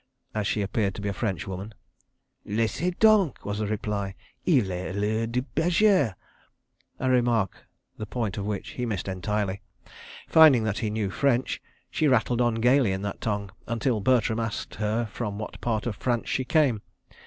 as she appeared to be a French woman. "Laissez donc!" was the reply. "Il est l'heure du berger," a remark the point of which he missed entirely. Finding that he knew French, she rattled on gaily in that tongue, until Bertram asked her from what part of France she came.